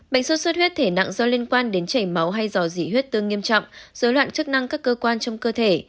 bệnh suốt suốt huyết thể nặng do liên quan đến chảy máu hay do dị huyết tương nghiêm trọng dối loạn chức năng các cơ quan trong cơ thể